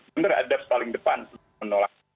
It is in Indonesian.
sebenarnya ada yang paling depan untuk menolak